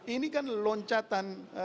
ini kan loncatan